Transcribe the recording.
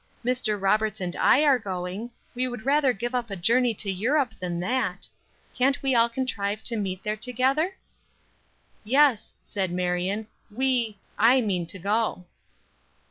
Mr. Roberts and I are going; we would rather give up a journey to Europe than that. Can't we all contrive to meet there together?" "Yes," said Marion, "we I mean to go."